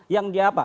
yang dia apa